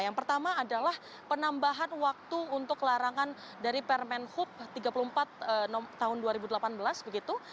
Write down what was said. yang pertama adalah penambahan waktu untuk larangan dari permen hub tiga puluh empat tahun dua ribu delapan belas begitu